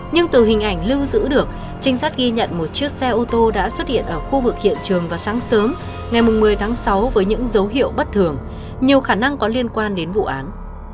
nhưng từ hình ảnh lưu giữ được trinh sát ghi nhận một chiếc xe ô tô đã xuất hiện ở khu vực hiện trường vào sáng sớm ngày một mươi tháng sáu với những dấu hiệu bất thường nhiều khả năng có liên quan đến vụ án